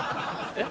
えっ？